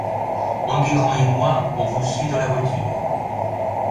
Enguerrand et moi on vous suit dans la voiture.